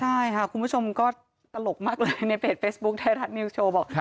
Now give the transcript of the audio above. ใช่ค่ะคุณผู้ชมก็ตลกมากเลยในเพจเฟซบุ๊คไทยรัฐนิวสโชว์บอก